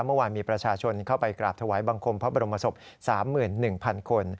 เมื่อวานมีประชาชนเข้าไปกราบถวายบังคมพระบรมศพ๓๑๐๐๐คน